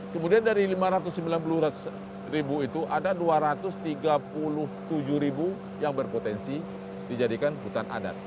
kemudian dari lima ratus sembilan puluh ribu itu ada dua ratus tiga puluh tujuh ribu yang berpotensi dijadikan hutan adat